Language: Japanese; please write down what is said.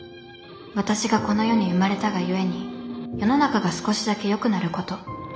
私がこの世に生まれたがゆえに世の中が少しだけよくなること。